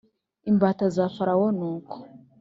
imbata za Farawo Nuko